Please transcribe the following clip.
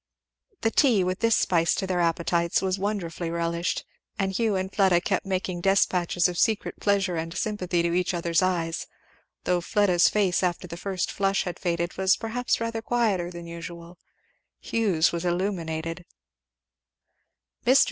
The tea, with this spice to their appetites, was wonderfully relished; and Hugh and Fleda kept making despatches of secret pleasure and sympathy to each other's eyes; though Fleda's face after the first flush had faded was perhaps rather quieter than usual. Hugh's was illuminated.